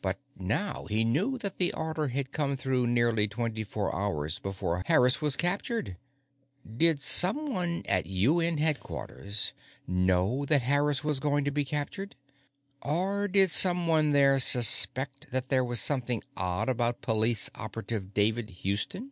But now he knew that the order had come through nearly twenty four hours before Harris was captured. Did someone at UN Headquarters know that Harris was going to be captured? Or did someone there suspect that there was something odd about Police Operative David Houston?